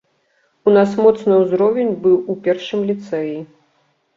У нас моцны ўзровень быў у першым ліцэі.